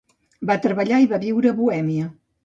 Va treballar i va viure a Bohèmia.